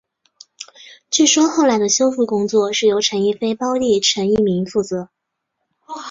据说后来的修复工作是由陈逸飞胞弟陈逸鸣负责。